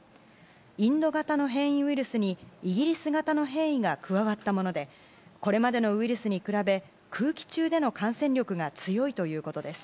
インド型の変異ウイルスにイギリス型の変異が加わったものでこれまでのウイルスに比べ空気中での感染力が強いということです。